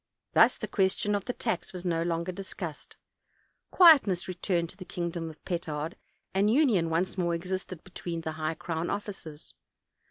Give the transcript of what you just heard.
Thus the question of the tax was no longer discussed; quietness returned to the kingdom of Petard, and union once more existed between the high crown officers.